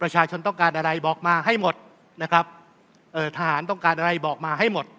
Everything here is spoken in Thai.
ทหารต้องการอะไรบอกมาให้หมด